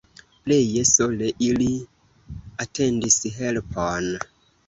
Pleje sole ili atendis helpon.